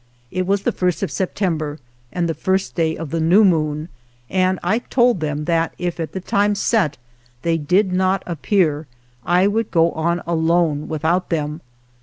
It was the first of Septem ber and the first day of the new moon, and I told them that if at the time set they did not appear I would go on alone without them.